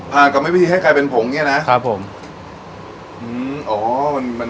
ผ่านกรรมวิธีให้กลายเป็นผงเนี่ยนะครับผม